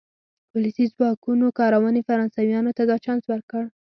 ولسي ځواکونو کارونې فرانسویانو ته دا چانس ورکړ.